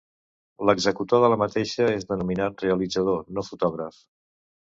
L'executor de la mateixa és denominat realitzador, no fotògraf.